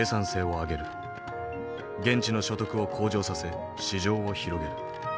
現地の所得を向上させ市場を広げる。